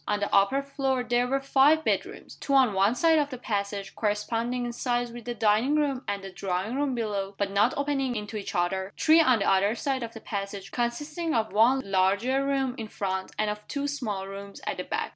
On the upper floor there were five bedrooms two on one side of the passage, corresponding in size with the dining room and the drawing room below, but not opening into each other; three on the other side of the passage, consisting of one larger room in front, and of two small rooms at the back.